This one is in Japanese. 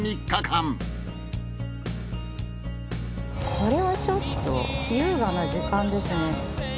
これはちょっと優雅な時間ですね。